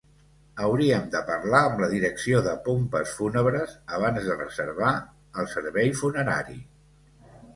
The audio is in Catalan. Hauríem de parlar amb la direcció de pompes fúnebres abans de reservar el servei funerari.